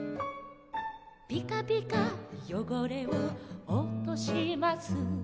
「ピカピカ汚れをおとします」